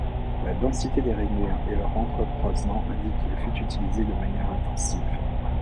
La densité des rainures et leur entrecroisement indiquent qu'il fut utilisé de manière intensive.